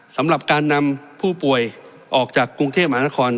สำหรับการนำผู้ป่วยออกจากกรุงเทพมหานคร